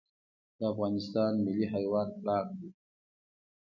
د افغانستان ملي حیوان پړانګ دی